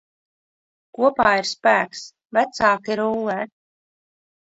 Kopā ir spēks, vecāki rullē.